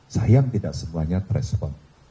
sayang tidak semuanya terespon